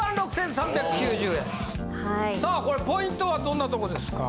さあこれポイントはどんなとこですか？